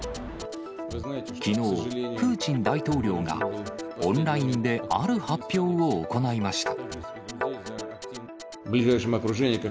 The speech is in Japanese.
きのう、プーチン大統領がオンラインである発表を行いました。